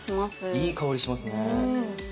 いい香りしますね。